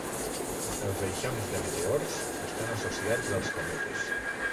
Els eixams de meteors estan associats als cometes.